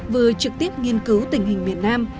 vừa trực tiếp nghiên cứu tình hình miền nam